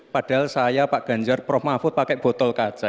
padahal saya pak ganjar prof mahfud pakai botol kaca